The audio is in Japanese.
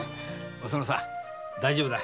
おそのさん大丈夫だ。